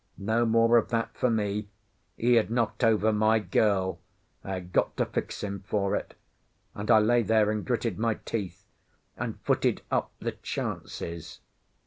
No more of that for me. He had knocked over my girl, I had got to fix him for it; and I lay there and gritted my teeth, and footed up the chances.